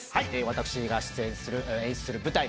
私が出演演出する舞台